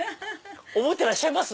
覚えてらっしゃいます？